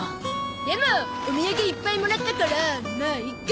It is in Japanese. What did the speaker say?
でもお土産いっぱいもらったからまあいっか！